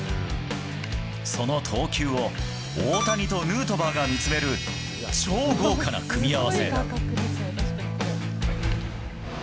その投球を、大谷とヌートバーが見つめる、超豪華な組み合わせ。